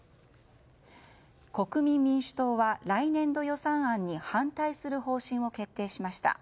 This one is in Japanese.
国民民主党は来年度予算案に反対する方針を決定しました。